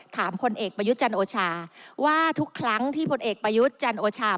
ผลเอกประยุทธ์จันทร์โอชาว่าทุกครั้งที่ผลเอกประยุทธ์จันโอชา